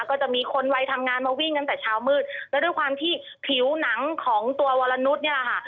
ก็จะมีคนวัยทำงานมาวิ่งตั้งแต่เช้ามืดแล้วด้วยความที่ผิวหนังของตัววรนุษย์เนี่ยแหละค่ะ